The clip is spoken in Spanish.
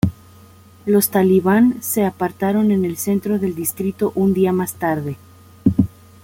Los talibán se apartaron en el centro del distrito un día más tarde.